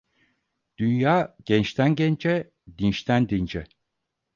Dünya gençten gence, dinçten dince.